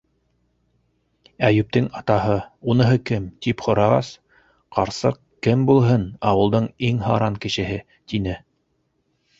Әйүптең атаһы: «Уныһы кем?» - тип һорағас, ҡарсыҡ: «Кем булһын, ауылдың иң һаран кешеһе!» - тине.